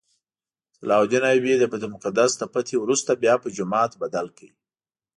صلاح الدین ایوبي د بیت المقدس له فتحې وروسته بیا په جومات بدل کړ.